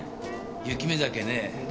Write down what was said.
雪見酒ね。